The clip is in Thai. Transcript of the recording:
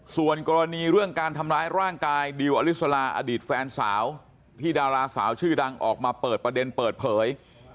ส่วนกรณีเรื่องการทำร้ายร่างกายดิวอลิสลาอดีตแฟนสาวที่ดาราสาวชื่อดังออกมาเปิดประเด็นเปิดเผย